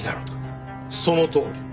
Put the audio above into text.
そのとおり。